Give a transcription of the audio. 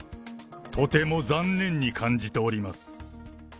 とても残念に感じております。